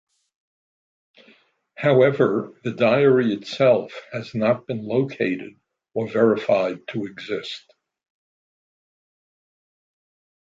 However, the diary itself has not been located or verified to exist.